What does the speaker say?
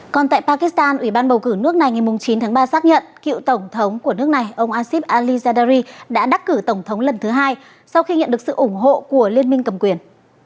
còn tại pakistan ủy ban bầu cử nước này ngày chín tháng ba xác nhận cựu tổng thống của nước này ông asib ali zardari đã đắc cử tổng thống lần thứ hai sau khi nhận được sự ủng hộ của liên minh cầm quyền